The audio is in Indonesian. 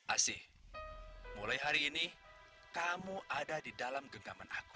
asih mulai hari ini kamu ada di dalam genggaman aku